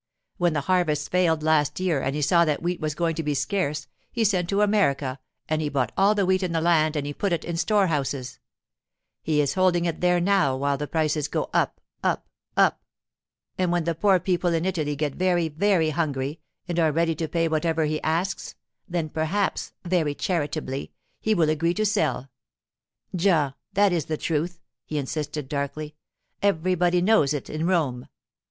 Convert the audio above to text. When the harvests failed last year, and he saw that wheat was going to be scarce, he sent to America and he bought all the wheat in the land and he put it in storehouses. He is holding it there now while the price goes up—up—up. And when the poor people in Italy get very, very hungry, and are ready to pay whatever he asks, then perhaps—very charitably—he will agree to sell. Già, that is the truth,' he insisted darkly. 'Everybody knows it in Rome.